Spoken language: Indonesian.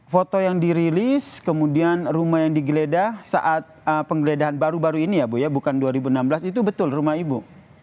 foto yang dirilis kemudian rumah yang digeledah saat penggeledahan baru baru ini ya bu ya bukan dua ribu enam belas itu betul rumah ibu